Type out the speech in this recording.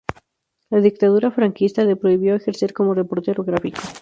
La dictadura franquista le prohibió ejercer como reportero gráfico.